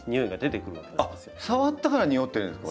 触ったからにおってるんですか？